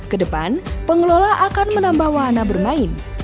kedepan pengelola akan menambah wahana bermain